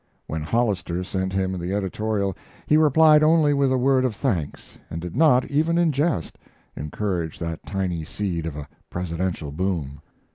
When Hollister sent him the editorial he replied only with a word of thanks, and did not, even in jest, encourage that tiny seed of a Presidential boom.